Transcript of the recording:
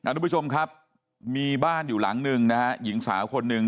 ทุกโทษครับมีบ้านอยู่หลังหนึ่งนะหญิงสาวคนนึง